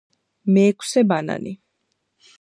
მეექვსე ბანანი.